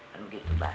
kan begitu pak